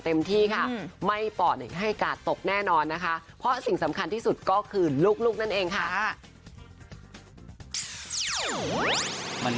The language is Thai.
ตอนนี้ก็แฮปปี้มากคาบ